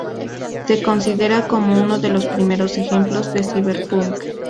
Se considera como uno de los primeros ejemplos de cyberpunk.